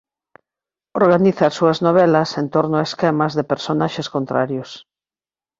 Organiza as súas novelas en torno a esquemas de personaxes contrarios.